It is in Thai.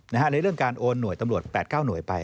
ในเรื่องการโอนหน่วยตำรวจ๘๙หน่วยไป